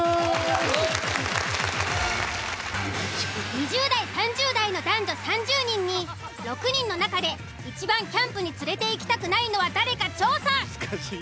２０代・３０代の男女３０人に６人の中でいちばんキャンプに連れていきたくないのは誰か調査。